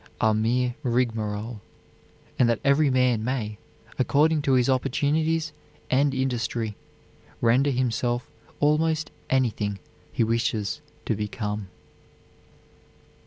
are mere rigmarole, and that every man may, according to his opportunities and industry, render himself almost anything he wishes to become."